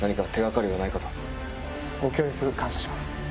ご協力感謝します。